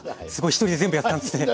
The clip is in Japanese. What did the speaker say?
一人で全部やってたんですね。